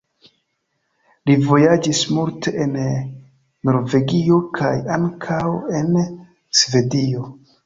Li vojaĝis multe en Norvegio kaj ankaŭ en Svedio.